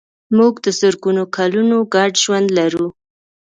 موږ د زرګونو کلونو ګډ ژوند لرو.